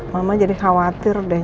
mama jadi khawatir deh